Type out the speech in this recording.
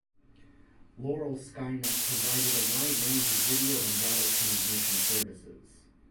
Loral Skynet provided a wide range of video and data transmission services.